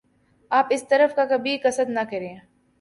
آپ اس طرف کا کبھی قصد نہ کریں ۔